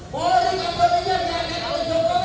polri kemudiannya diangkat oleh jokowi